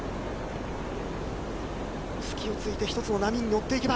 隙を突いて一つの波に乗っていけば